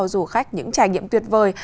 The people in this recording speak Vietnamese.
du khách những trải nghiệm tuyệt vời